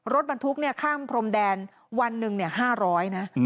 รถบรรทุกข้ามพรมแดนวันหนึ่ง๕๐๐นะ